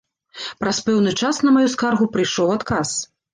Праз пэўны час на маю скаргу прыйшоў адказ.